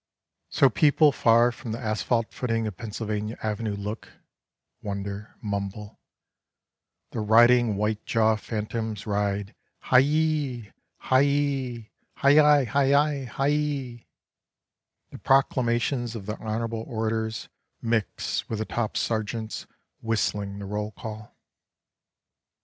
24 And So To day (So people far from the asphalt footing of Pennsyl vania Avenue look, wonder, mumble — the riding white jaw phantoms ride hi eeee, hi eeee, hi yi, hi yi, hi eeee — the proclamations of the honorable orators mix with the top sergeants whistling the roll call.)